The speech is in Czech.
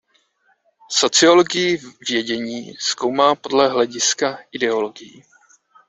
Sociologii vědění zkoumá podle hlediska ideologií.